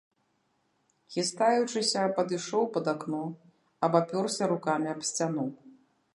Хістаючыся падышоў пад акно, абапёрся рукамі аб сцяну.